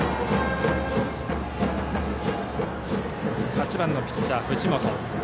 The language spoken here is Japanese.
８番のピッチャー、藤本。